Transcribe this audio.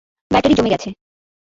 Battery জমে গেছে।